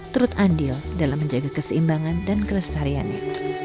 trut andil dalam menjaga keseimbangan dan keresetariannya